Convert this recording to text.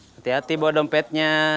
hati hati bawa dompetnya